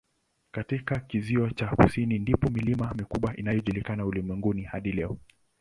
Katika kizio cha kusini ndipo milima mikubwa inayojulikana ulimwenguni hadi leo.